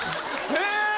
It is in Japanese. へえ！